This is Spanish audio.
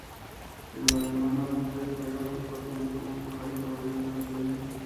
El Balonmano Alcobendas juega sus partidos como local en el Pabellón de los Sueños.